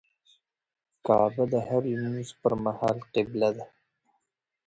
کعبه د هر لمونځه پر مهال قبله ده.